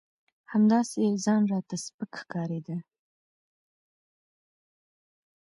همداسې ځان راته سپک ښکارېده.